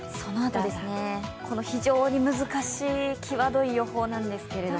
非常に難しい際どい予報なんですけども。